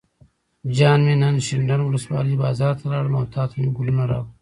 جان مې نن شینډنډ ولسوالۍ بازار ته لاړم او تاته مې ګلونه راوړل.